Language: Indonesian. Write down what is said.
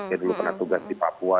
yang dulu pernah tugas di papua